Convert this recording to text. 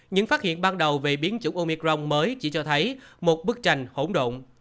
những phát hiện ban đầu về biến chủng omicron mới chỉ cho thấy một bức tranh hỗn động